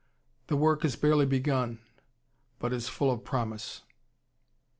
The work is barely begun, but is full of promise.